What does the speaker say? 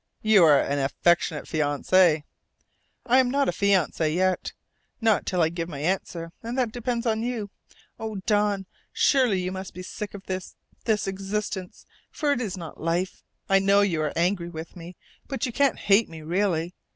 "You are an affectionate fiancée!" "I am not a fiancée yet. Not till I give my answer. And that depends on you.... Oh, Don, surely you must be sick of this this existence, for it is not life! I know you are angry with me, but you can't hate me really.